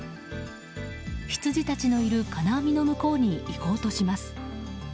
ヒツジたちのいる金網の向こうに行こうとします。